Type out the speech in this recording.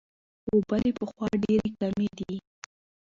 اوبه له پخوا ډېرې کمې دي.